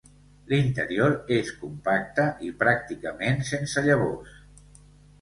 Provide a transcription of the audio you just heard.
L'interior és compacte i pràcticament sense llavors.